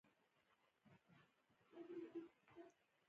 د خوب د نشتوالي د دوام لپاره د اعصابو ډاکټر ته لاړ شئ